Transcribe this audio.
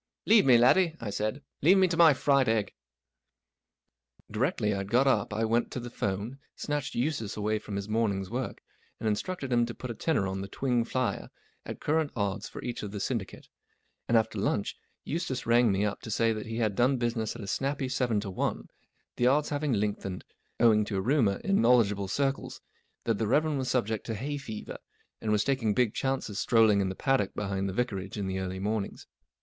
44 Leave me, laddie," I said. " Leave me to my fried egg." D irectly rd got up i went to the 'phone, snatched Eustace away from his morning's work, and instructed him to put a tenner on the Twing flier at current odds for each of the syndi¬ cate ; and after lunch Eustace rang me up to say that he had done business at a snappy seven to one, the odds having lengthened owing to a rumour in know¬ ledgeable circles that the Rev. was subject to hay fever, and was taking big chances strolling in the paddock behind the Vicarage in the early mornings.